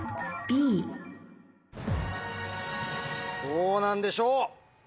どうなんでしょう？